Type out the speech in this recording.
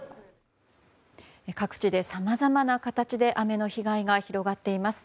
各地でさまざまな形で雨の被害が広がっています。